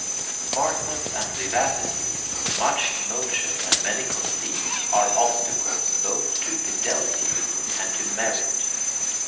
Smartness and vivacity, much emotion and many conceits, are obstacles both to fidelity and to merit.